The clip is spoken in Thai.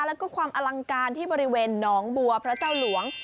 แล้วก็ความอลังการที่บริเวณหนองบัวพระเจ้าหลวง